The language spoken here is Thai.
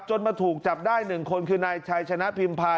จนมาถูกจับได้หนึ่งคนคือนายชายชนะพิมพาย